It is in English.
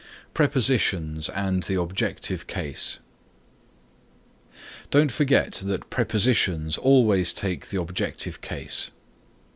PREPOSITIONS AND THE OBJECTIVE CASE Don't forget that prepositions always take the objective case.